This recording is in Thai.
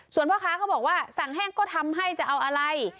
ส่วนพ่อค้าเขาบอกว่าสั่งแห้งก็ทำให้จะเอาอะไร